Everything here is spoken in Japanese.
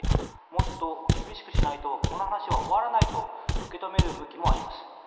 もっと厳しくしないとこの話は終わらないと受け止める向きもあります。